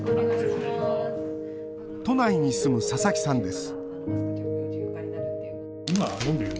都内に住む佐々木さんです